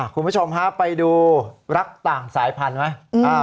คุณผู้ชมฮะไปดูรักต่างสายพันธุ์ไหม